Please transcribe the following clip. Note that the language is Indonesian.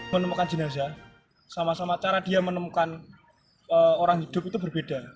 menemukan jenazah sama sama cara dia menemukan orang hidup itu berbeda